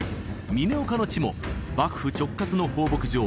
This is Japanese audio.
嶺岡の地も幕府直轄の放牧場